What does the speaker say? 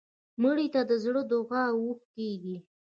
مړه ته د زړه دعا اوښکې دي